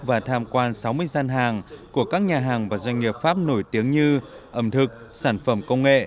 và tham quan sáu mươi gian hàng của các nhà hàng và doanh nghiệp pháp nổi tiếng như ẩm thực sản phẩm công nghệ